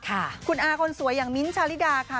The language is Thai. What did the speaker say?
คุณอาทิอันนั้นคนสวยอย่างมิ้นซ์ชาริดาค่ะ